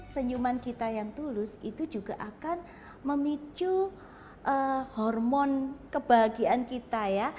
senyuman kita yang tulus itu juga akan memicu hormon kebahagiaan kita ya